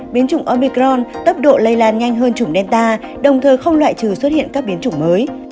biến chủng omicron tốc độ lây lan nhanh hơn chủng delta đồng thời không loại trừ xuất hiện các biến chủng mới